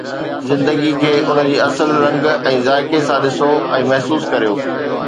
زندگي کي ان جي اصل رنگ ۽ ذائقي سان ڏسو ۽ محسوس ڪريو